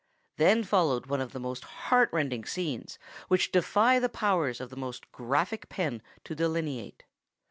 Then followed one of those heart rending scenes which defy the powers of the most graphic pen to delineate.